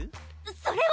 それは。